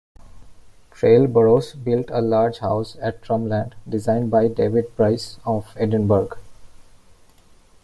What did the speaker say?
Traill-Burroughs built a large house at Trumland, designed by David Bryce of Edinburgh.